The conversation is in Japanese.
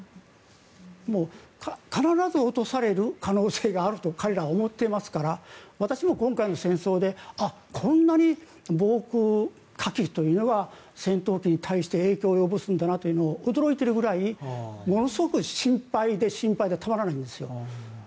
もう必ず落とされる可能性があると彼らは思っていますから私も今回の戦争であ、こんなに防空火器というのが戦闘機に対して影響を及ぼすんだというのを驚いているくらいものすごく心配でたまらないんです。